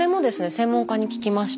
専門家に聞きました。